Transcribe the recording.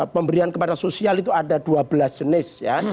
pemberian kepada sosial itu ada dua belas jenis ya